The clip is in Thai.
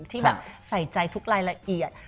ที่แบบใส่ใจทุกรายละเอียด